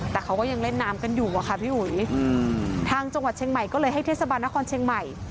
แต่เขาก็ยังเล่นน้ำกันอยู่อะค่ะพี่อุ๋ยทางจังหวัดเชียงใหม่ก็เลยให้เทศบาลนครเชียงใหม่